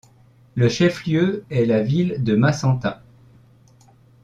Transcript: Le chef-lieu est la ville de Macenta.